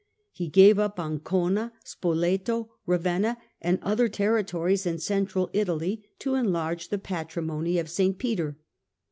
He gave up Ancona, Spoleto, Ravenna and other territories in Central Italy to enlarge the Patrimony of St. Peter.